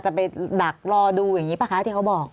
ไปดักรอดูอย่างนี้ป่ะคะที่เขาบอก